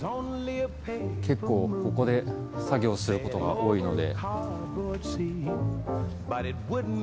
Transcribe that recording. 結構ここで作業することが多いので。